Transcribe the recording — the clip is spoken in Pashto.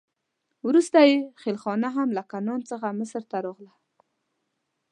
وروسته یې خېلخانه هم له کنعان څخه مصر ته راغله.